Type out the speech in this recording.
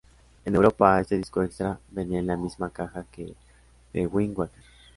En Europa este disco extra venía en la misma caja que The Wind Waker.